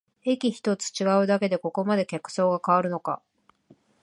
駅ひとつ違うだけでここまで客層が変わるのか